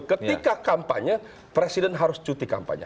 ketika kampanye presiden harus cuti kampanye